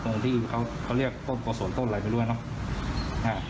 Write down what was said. ตรงที่เขาเรียกโค้งโกศลต้นอะไรไม่รู้แล้วเนอะ